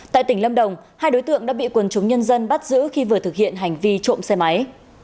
tại tỉnh lâm đồng hai đối tượng đã bị quần chúng nhân dân bắt giữ khi vừa thực hiện hành vi trộm xe máy